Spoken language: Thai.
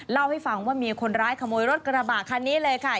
เล่าให้ฟังว่ามีคนร้ายขโมยรถกระบะคันนี้เลยค่ะ